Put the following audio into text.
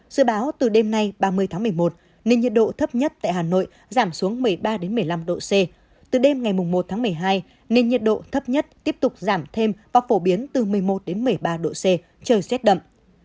dự báo từ đêm nay ba mươi tháng một mươi một nền nhiệt độ thấp nhất tại hà nội giảm xuống một mươi ba một mươi năm độ c từ đêm ngày một tháng một mươi hai nên nhiệt độ thấp nhất tiếp tục giảm thêm và phổ biến từ một mươi một một mươi ba độ c trời rét đậm